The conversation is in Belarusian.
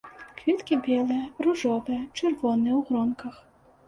Кветкі белыя, ружовыя, чырвоныя ў гронках.